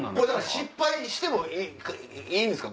失敗してもいいんですか？